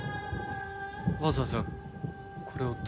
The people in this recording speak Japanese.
わざわざこれを届けに？